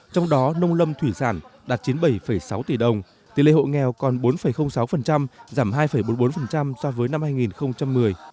trong đó nông lâm thủy sản đạt chín mươi bảy sáu tỷ đồng tỷ lệ hộ nghèo còn bốn sáu giảm hai bốn mươi bốn so với năm hai nghìn một mươi